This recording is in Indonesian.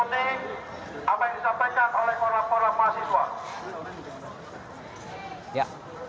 terima kasih yang sudah mengikuti apa yang disampaikan oleh korat korat mahasiswa